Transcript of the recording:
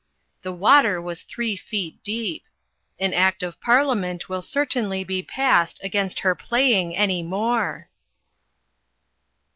The water was three feet deep. An Act of Parliament will certainly be passed against her playing any more!"